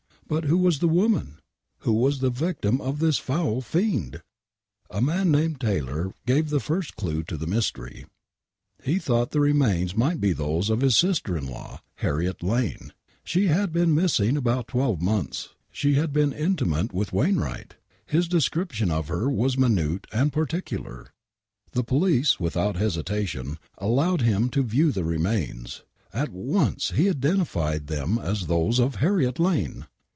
But who was the woman ? Who was the victim of this foul fiend ? A man named Taylor gave the first clue to the mystery. He thoi":!! the remains might be those of his sister in law, Harriet Lane. Sb'* had been missing about twelve months ! f^\ ^. au been intimate with Wainwright I His description of her was minute and particular. The police without hesitation allowed him to view the remains. He at once identified them as those of Harriet Lane